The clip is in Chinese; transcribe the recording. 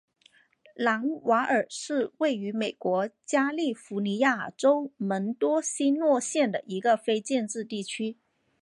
朗瓦尔是位于美国加利福尼亚州门多西诺县的一个非建制地区。